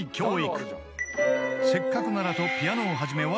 ［せっかくならとピアノを始めわずか２年］